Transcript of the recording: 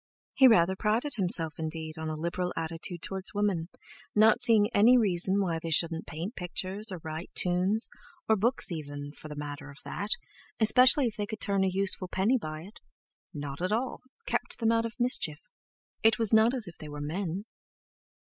He rather prided himself indeed on a liberal attitude towards women, not seeing any reason why they shouldn't paint pictures, or write tunes, or books even, for the matter of that, especially if they could turn a useful penny by it; not at all—kept them out of mischief. It was not as if they were men!